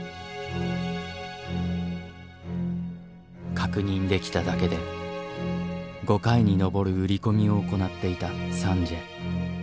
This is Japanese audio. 確認できただけで５回に上る売り込みを行っていたサンジエ。